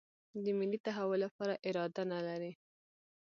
د ملي تحول لپاره اراده نه لري.